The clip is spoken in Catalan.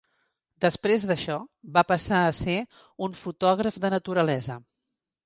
Després d'això, va passar a ser un fotògraf de naturalesa.